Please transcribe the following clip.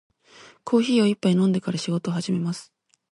コーヒーを一杯飲んでから仕事を始めます。